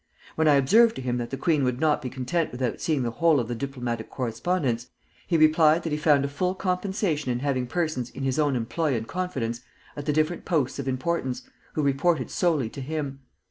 When I observed to him that the queen would not be content without seeing the whole of the diplomatic correspondence, he replied that he found a full compensation in having persons in his own employ and confidence at the different posts of importance, who reported solely to him.